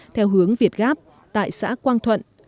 theo hướng việt gắp tại xã quang thuận